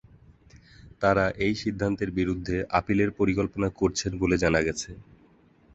তারা এই সিদ্ধান্তের বিরুদ্ধে আপিলের পরিকল্পনা করছেন বলে জানা গেছে।